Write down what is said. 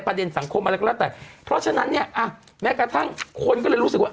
สังคมอะไรก็แล้วแต่เพราะฉะนั้นเนี่ยแม้กระทั่งคนก็เลยรู้สึกว่า